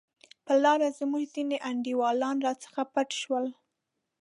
پر لار زموږ ځیني انډیوالان راڅخه پټ شول.